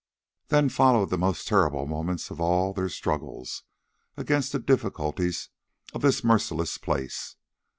Then followed the most terrible moments of all their struggle against the difficulties of this merciless place.